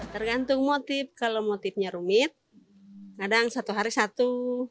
tergantung motif kalau motifnya rumit kadang satu hari satu